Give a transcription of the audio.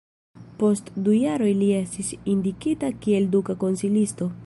Post du jaroj li estis indikita kiel duka konsilisto.